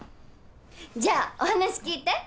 じゃあお話聞いて。